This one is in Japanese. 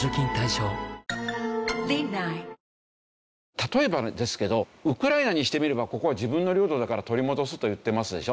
例えばですけどウクライナにしてみればここは自分の領土だから取り戻すと言ってますでしょ。